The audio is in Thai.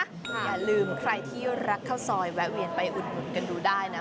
อย่าลืมใครที่รักข้าวซอยแวะเวียนไปอุดหนุนกันดูได้นะ